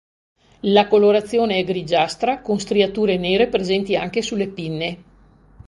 La colorazione è grigiastra con striature nere presenti anche sulle pinne.